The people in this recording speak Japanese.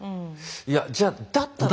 いやじゃあだったらね